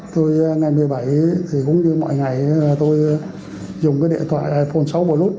tôi ngày một mươi bảy thì cũng như mọi ngày tôi dùng cái điện thoại iphone sáu